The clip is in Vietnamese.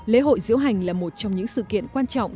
lễ hội diễu hành là một trong những sự kiện quan trọng